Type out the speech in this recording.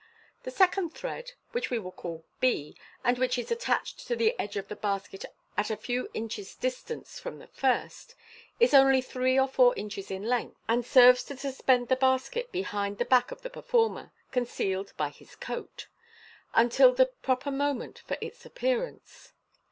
The second thread (which we will call b, and which is attached to the edge of the basket at a few inches' distance from the first) is only three or four inches in length, and scrv&s to suspend the basket behind the back of the performer (concealed by his coat) until the proper moment for its appearance.